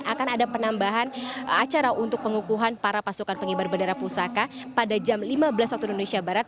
akan ada penambahan acara untuk pengukuhan para pasukan pengibar bendera pusaka pada jam lima belas waktu indonesia barat